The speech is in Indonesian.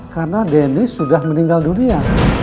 karena dennis sudah meninggal dunia